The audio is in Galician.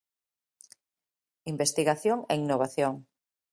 Investigación e innovación.